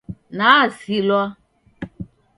Nasilwa.